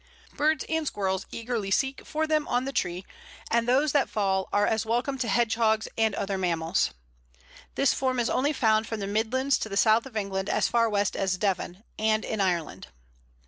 Birds and squirrels eagerly seek for them on the tree, and those that fall are as welcome to hedgehogs and other mammals. This form is only found from the Midlands to the South of England as far west as Devon, and in Ireland.